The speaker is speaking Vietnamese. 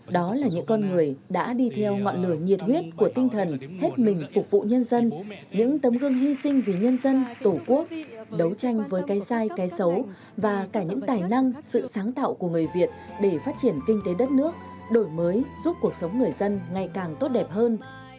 đó là những con người đã đi theo ngọn lửa nhiệt huyết của tinh thần hết mình phục vụ nhân dân những tấm gương hy sinh vì nhân dân tổ quốc đấu tranh với cái sai cái xấu và cả những tài năng sự sáng tạo của người việt để phát triển kinh tế đất nước đổi mới giúp cuộc sống người dân ngày càng tốt đẹp hơn